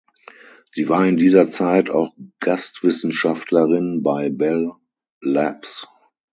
Sie war in dieser Zeit auch Gastwissenschaftlerin bei Bell Labs.